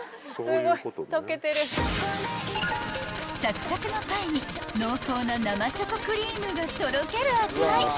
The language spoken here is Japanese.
［サクサクのパイに濃厚な生チョコクリームがとろける味わい］